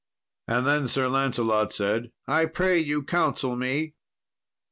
And then Sir Lancelot said, "I pray you counsel me."